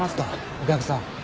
お客さん。